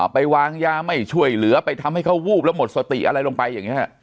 ไปวางยาไม่ช่วยเหลือไปทำให้เขาวูบแล้วหมดสติอะไรลงไปอย่างนี้